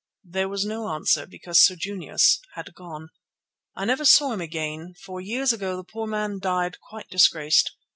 There was no answer, because Sir Junius had gone. I never saw him again, for years ago the poor man died quite disgraced.